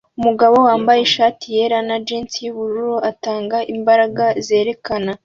Umugabo wambaye ishati yera na jinsi yubururu atanga imbaraga zerekana